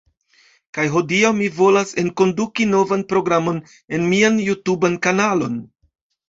Kaj hodiaŭ mi volas enkonduki novan programon en mian jutuban kanalon